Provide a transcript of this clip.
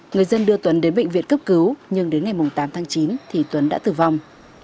người dân đưa tuấn đến bệnh viện cấp cứu nhưng đến ngày tám tháng chín thì tuấn đã tử vong